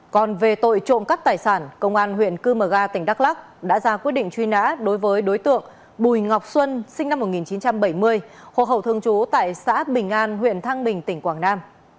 còn về tội trộm cắt tài sản công an huyện cư mờ ga tỉnh đắk lắc đã ra quyết định truy nã đối với đối tượng bùi ngọc xuân sinh năm một nghìn chín trăm bảy mươi hồ hậu thường trú tại xã bình an huyện thăng bình tỉnh quảng nam